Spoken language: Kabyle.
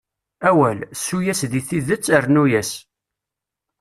Awal, ssu-yas di tidet, rrnu-yas.